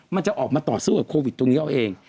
มันจะออกมาต่อสู้กับโควิดตรงนี้เอาเอง